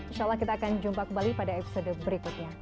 insya allah kita akan jumpa kembali pada episode berikutnya